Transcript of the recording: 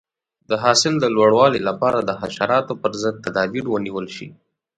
د حاصل د لوړوالي لپاره د حشراتو پر ضد تدابیر ونیول شي.